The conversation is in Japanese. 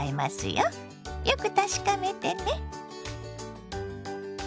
よく確かめてね。